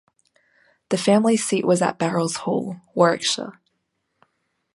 The family seat was at Barrells Hall, Warwickshire.